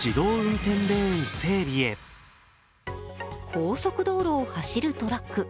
高速道路を走るトラック。